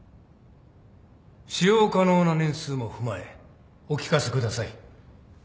使用可能な年数も踏まえお聞かせください。